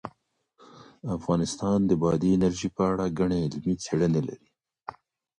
افغانستان د بادي انرژي په اړه ګڼې علمي څېړنې لري.